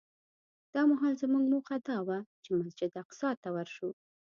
دا مهال زموږ موخه دا وه چې مسجد اقصی ته ورشو.